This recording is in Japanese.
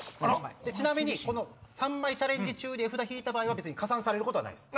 ちなみに３枚チャレンジ中に絵札引いた場合は加算されることはないです。